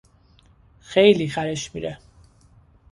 خیلی خرش میره.